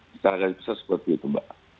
secara garis besar seperti itu mbak